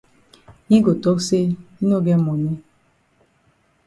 Yi go tok say yi no get moni.